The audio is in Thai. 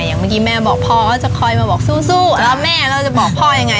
อย่างเมื่อกี้แม่บอกพ่อว่าจะคอยมาบอกสู้แล้วแม่เราจะบอกพ่อยังไง